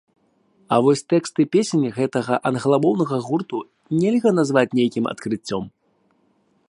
А вось тэксты песень гэтага англамоўнага гурту нельга назваць нейкім адкрыццём.